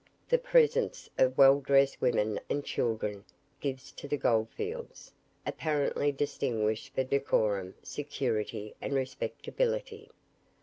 The presence of well dressed women and children gives to the gold fields, apparently distinguished for decorum, security and respectability.